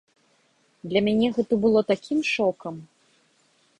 Для мяне гэта было такім шокам!